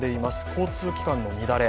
交通機関の乱れ。